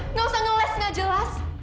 nggak usah ngeles nggak jelas